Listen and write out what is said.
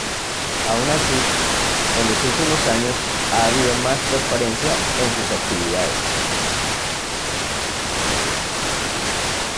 Aun así, en los últimos años, ha habido más transparencia en sus actividades.